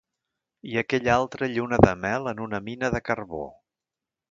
I aquella altra lluna de mel en una mina de carbó!